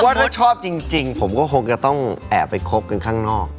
ว่าถ้าชอบจริงผมก็คงจะต้องแอบไปคบกันข้างนอก